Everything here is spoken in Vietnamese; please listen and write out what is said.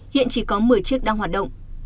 hiện chỉ có một mươi chiếc đang hoạt động